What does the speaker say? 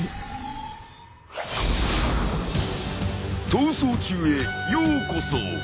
逃走中へようこそ。